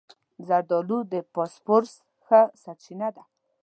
زردالو د فاسفورس ښه سرچینه ده.